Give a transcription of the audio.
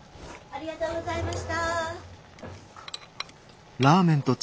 ありがとうございます。